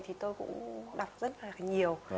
thì tôi cũng đọc rất là nhiều